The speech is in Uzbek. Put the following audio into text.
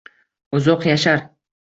Uzoq yashar